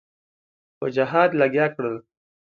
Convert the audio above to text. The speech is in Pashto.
په جهاد لګیا کړل.